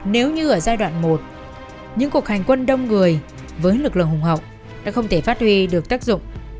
nếu như ở giai đoạn một những cuộc hành quân đông người với lực lượng hùng hậu đã không thể phát huy được tác dụng